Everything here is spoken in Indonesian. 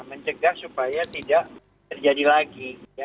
mencegah supaya tidak terjadi lagi